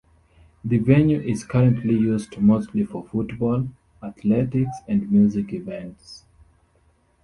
The venue is currently used mostly for football, athletics and music events.